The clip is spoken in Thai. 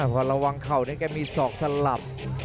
พอระวังเข่าเนี่ยก็มีสอกสลับ